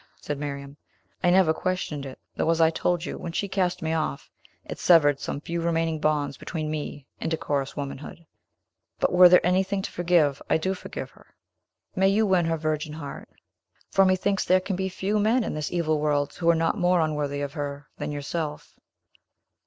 said Miriam; "I never questioned it; though, as I told you, when she cast me off, it severed some few remaining bonds between me and decorous womanhood. But were there anything to forgive, I do forgive her. May you win her virgin heart; for methinks there can be few men in this evil world who are not more unworthy of her than yourself."